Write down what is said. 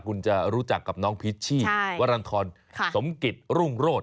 คุณจะรู้จักกับน้องพิชชี่วรรณฑรสมกิจรุ่งโรธ